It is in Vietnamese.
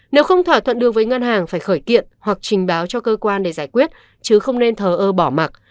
nếu không thỏa thuận được với ngân hàng phải khởi kiện hoặc trình báo cho cơ quan để giải quyết chứ không nên thờ ơ bỏ mặt